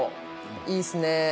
いいですね。